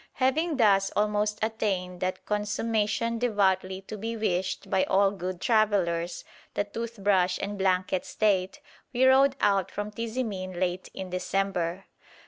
Having thus almost attained "that consummation devoutly to be wished" by all good travellers, the toothbrush and blanket state, we rode out from Tizimin late in December.